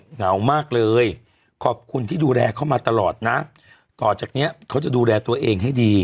เหงามากเลยขอบคุณที่ดูแลเขามาตลอดนะต่อจากนี้เขาจะดูแลตัวเองให้ดี